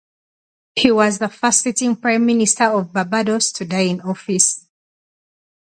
He was the first sitting Prime Minister of Barbados to die in office.